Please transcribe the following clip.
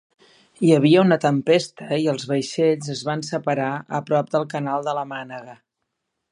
Hi havia una tempesta i els vaixells es van separar a prop del canal de la Mànega.